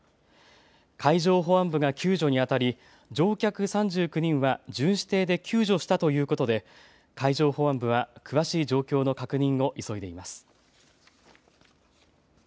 海上保安部が救助にあたり乗客３９人は巡視艇で救助したということで海上保安部保安部は詳しい状況の確認を急いでいます。